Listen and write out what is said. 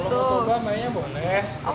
kalau mau coba mainnya boleh